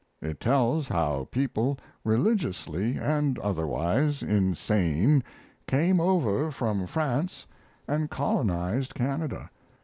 It tells how people religiously and otherwise insane came over from France and colonized Canada.